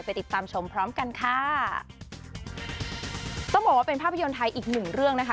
ติดตามชมพร้อมกันค่ะต้องบอกว่าเป็นภาพยนตร์ไทยอีกหนึ่งเรื่องนะคะ